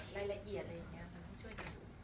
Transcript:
รายละเอียดอะไรอย่างนี้ค่ะที่ช่วยกันดู